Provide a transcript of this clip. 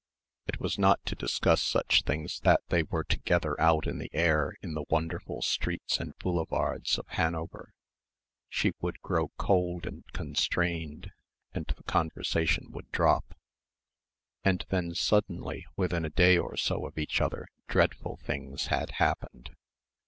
It was not to discuss such things that they were together out in the air in the wonderful streets and boulevards of Hanover. She would grow cold and constrained, and the conversation would drop. And then, suddenly, within a day or so of each other, dreadful things had happened.